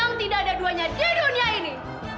yang tidak ada duanya di dunia ini